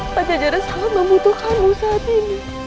pak cajaran sangat membutuhkanmu saat ini